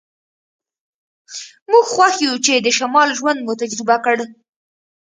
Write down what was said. موږ خوښ یو چې د شمال ژوند مو تجربه کړ